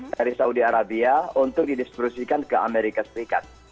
dari saudi arabia untuk didistribusikan ke amerika serikat